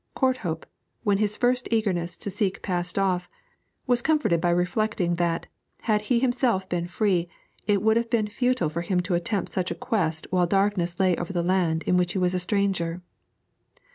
Courthope, when his first eagerness to seek passed off, was comforted by reflecting that, had he himself been free, it would have been futile for him to attempt such a quest while darkness lay over the land in which he was a stranger.